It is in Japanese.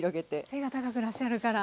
背が高くらっしゃるから。